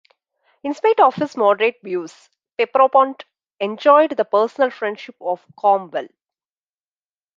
In spite of his moderate views Pierrepont enjoyed the personal friendship of Cromwell.